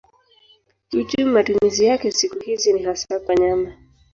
Kiuchumi matumizi yake siku hizi ni hasa kwa nyama.